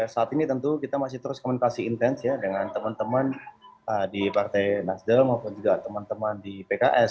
saat ini tentu kita masih terus komunikasi intens ya dengan teman teman di partai nasdem maupun juga teman teman di pks